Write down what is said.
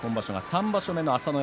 ３場所目の朝乃